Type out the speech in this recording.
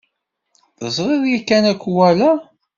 Teẓriḍ yakan akuwala?